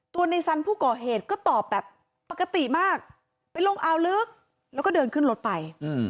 ในสันผู้ก่อเหตุก็ตอบแบบปกติมากไปลงอาวลึกแล้วก็เดินขึ้นรถไป